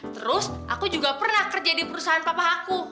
terus aku juga pernah kerja di perusahaan papa aku